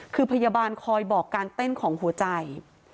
คือพยาบาลคอยบอกการเต้นของหัวใจ